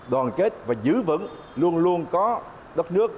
đoàn kết và giữ vững luôn luôn có đất nước